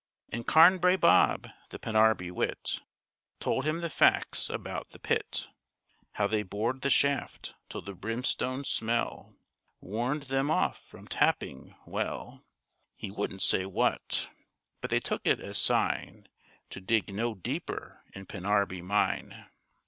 And Carnbrae Bob, the Pennarby wit, Told him the facts about the pit: How they bored the shaft till the brimstone smell Warned them off from tapping—well, He wouldn't say what, But they took it as sign To dig no deeper in Pennarby mine.